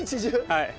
はい。